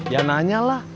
ya nanya lah